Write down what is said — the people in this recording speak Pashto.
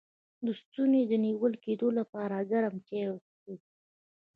د ستوني د نیول کیدو لپاره ګرم چای وڅښئ